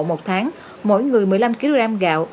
một tháng mỗi người một mươi năm kg gạo